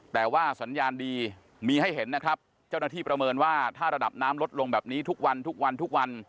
แต่ว่าสัญญาณดีมีให้เห็นนะครับเจ้าหน้าที่ประเมินว่าถ้าระดับน้ำลดลงแบบนี้ทุกวัน